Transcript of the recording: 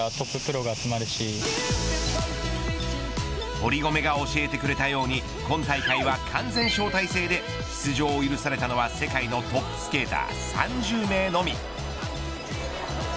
堀米が教えてくれたように今大会は完全招待制で出場を許されたのは世界のトップスケーター３０名のみ。